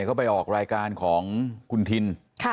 เขาไปออกรายการของคุณทิน